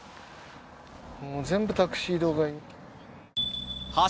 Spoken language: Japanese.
もう全部タクシー移動がいい。